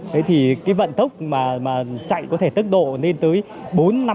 thế thì cái vận tốc mà chạy có thể tốc độ lên tới bốn năm sáu mươi hải lý trên giả